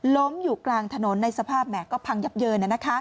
ล้มอยู่กลางถนนในสภาพแห่ก็พังยับเยิน